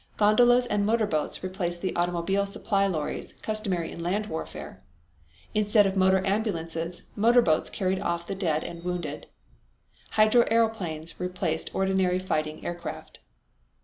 Gondolas and motor boats replaced the automobile supply lorries customary in land warfare. Instead of motor ambulances, motor boats carried off the dead and wounded. Hydro airplanes replaced ordinary fighting aircraft.